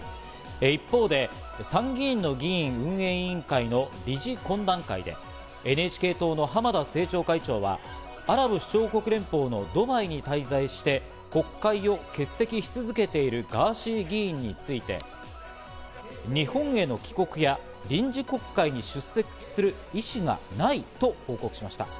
一方で参議院の議員運営委員会の理事懇談会で、ＮＨＫ党の浜田政調会長はアラブ首長国連邦のドバイに滞在して国会を欠席し続けているガーシー議員について、日本への帰国や、臨時国会に出席する意思がないと報告しました。